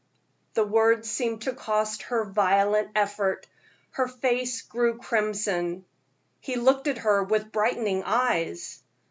The words seemed to cost her violent effort; her face grew crimson. He looked at her with brightening eyes.